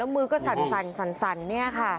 มือก็สั่นเนี่ยค่ะ